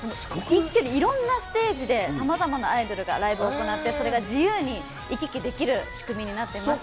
一挙にいろんなステージでさまざまなアイドルがライブを行って、自由に行き来できる仕組みです。